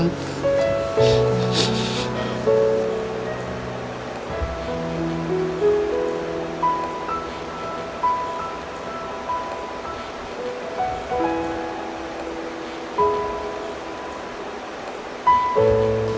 ครับ